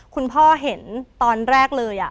คุณพ่อเห็นตอนแรกเลย